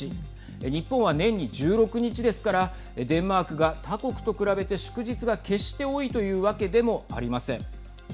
日本は年に１６日ですからデンマークが他国と比べて祝日が決して多いというわけでもありません。